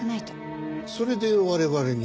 それで我々に？